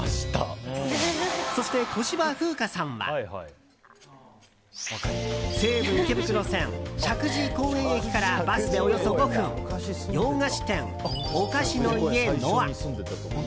そして、小芝風花さんは西武池袋線、石神井公園駅からバスでおよそ５分洋菓子店、おかしの家ノア。